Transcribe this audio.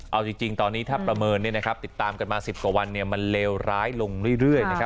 เอาจริงตอนนี้ถ้าประเมินติดตามกันมา๑๐กว่าวันมันเลวร้ายลงเรื่อย